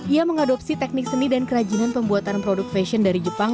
ia mengadopsi teknik seni dan kerajinan pembuatan produk fashion dari jepang